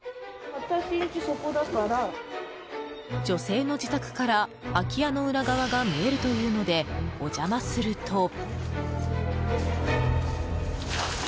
女性の自宅から空き家の裏側が見えるというのでお邪魔すると。